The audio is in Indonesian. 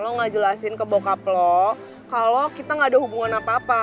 lo gak jelasin ke bokap lo kalau kita gak ada hubungan apa apa